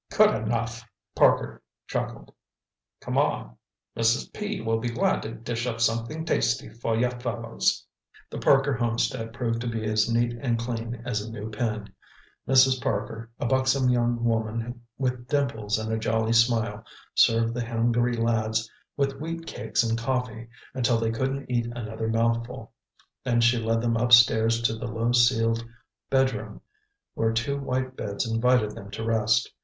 "Good enough!" Parker chuckled. "Come on, Mrs. P. will be glad to dish up something tasty for you fellows." The Parker homestead proved to be as neat and clean as a new pin. Mrs. Parker, a buxom young woman with dimples and a jolly smile, served the hungry lads with wheatcakes and coffee until they couldn't eat another mouthful. Then she led them upstairs to the low ceiled bedroom, where two white beds invited them to rest.